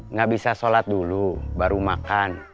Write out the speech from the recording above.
nggak bisa sholat dulu baru makan